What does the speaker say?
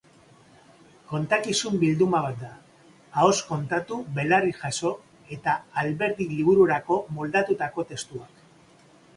Kontakizun bilduma bat da: ahoz kontatu, belarriz jaso eta Alberdik libururako moldatutako testuak.